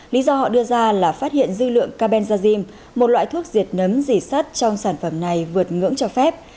lý do họ đưa ra là phát hiện dư lượng cabelazym một loại thuốc diệt nấm dì sắt trong sản phẩm này vượt ngưỡng cho phép